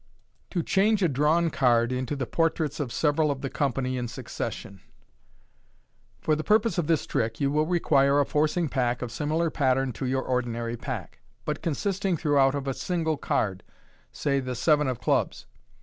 To CHANGE A DRAWN CARD INTO THE PORTRAITS OF SEVERAL of the Company in succession. — For the purpose of this trick you will require a forcing pack of similar pattern to your ordinary pack, but consisting throughout of a single card, say the seven of clubs.